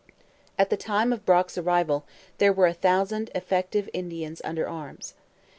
At the time of Brock's arrival there were a thousand effective Indians under arms.